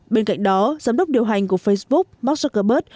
bên cạnh đó giám đốc điều hành của facebook mark zuckerberg